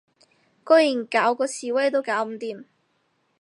居然搞嗰示威都搞唔掂